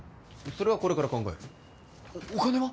それはこれから考えるお金は？